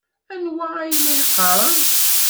Anwa ay la yeqqaren?